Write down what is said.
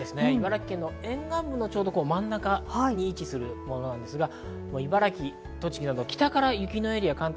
茨城県の沿岸部の真ん中に位置するものなんですが、茨城、栃木など北から雪のエリア